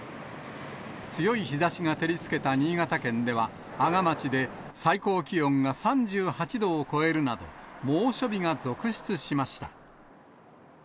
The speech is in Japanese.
強い日ざしが照りつけた新潟県では、阿賀町で最高気温が３８度を超えるなど、猛暑日が続出しました。